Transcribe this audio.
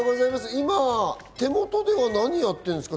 今、手元では何をやってるんですか？